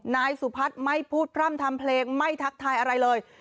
นายสุพัฒน์ไม่พูดพร่ำทำเพลงไม่ทักทายอะไรเลย